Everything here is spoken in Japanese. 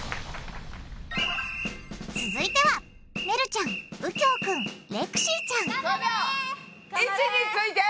続いてはねるちゃんうきょうくんレクシーちゃん位置について。